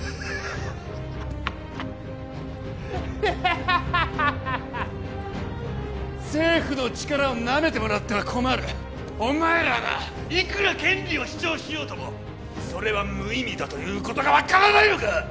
ハハハッハハハハハハッ政府の力をなめてもらっては困るお前らがいくら権利を主張しようともそれは無意味だということが分からないのか！